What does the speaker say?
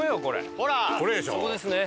そこですね。